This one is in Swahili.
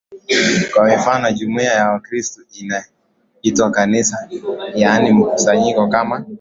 wa mifano Jumuia ya Wakristo inaitwa Kanisa yaani mkusanyiko kama